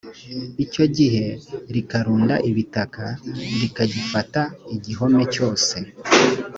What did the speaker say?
icyo gihe rikarunda ibitaka rikagifata igihome cyose